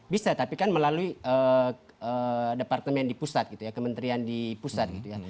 bisa tapi kan melalui departemen di pusat gitu ya kementerian di pusat gitu ya